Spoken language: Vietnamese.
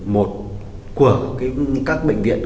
một của các bệnh viện